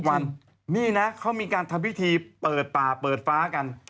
วันนี้นะเขามีการทำพิธีเปิดป่าเปิดฟ้ากัน